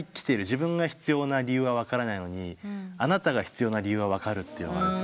自分が必要な理由は分からないのにあなたが必要な理由は分かる」と。